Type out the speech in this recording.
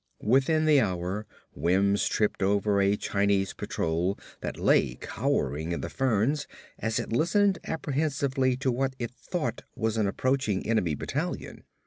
Within the hour Wims tripped over a Chinese patrol that lay cowering in the ferns as it listened apprehensively to what it thought was an approaching enemy battalion.